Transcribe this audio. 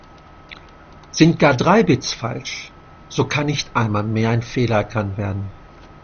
Sind gar drei Bits falsch, so kann nicht einmal mehr ein Fehler erkannt werden.